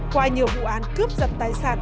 qua nhiều vụ án cướp dập tài sản